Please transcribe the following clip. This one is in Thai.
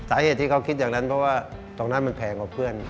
สาเหตุที่เขาคิดอย่างนั้นเพราะว่าตรงนั้นมันแพงกว่าเพื่อน